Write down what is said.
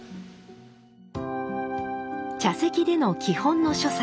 茶席での基本の所作。